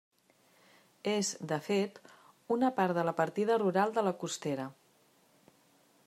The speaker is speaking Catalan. És, de fet, una part de la partida rural de la Costera.